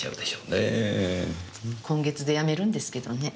今月でやめるんですけどね。